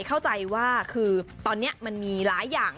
เข้าใจว่าคือตอนนี้มันมีหลายอย่าง